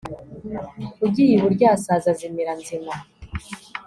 ugiye iburyasazi azimira nzima